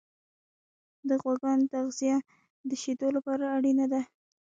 د غواګانو تغذیه د شیدو لپاره اړینه ده.